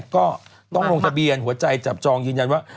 ก็ต้องลงทะเบียนหัวใจจับจองยืนยันว่า